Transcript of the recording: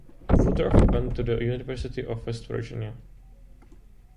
Woodruff went to the University of West Virginia.